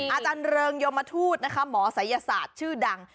อาจารย์เริงยมทูตนะคะหมอศัยศาสตร์ชื่อดัง